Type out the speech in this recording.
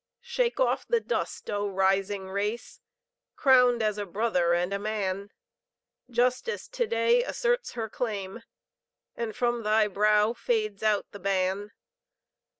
Shake off the dust, O rising race! Crowned as a brother and a man; Justice to day asserts her claim, And from thy brow fades out the ban.